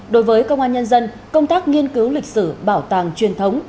đối với công an nhân dân công tác nghiên cứu lịch sử bảo tàng truyền thống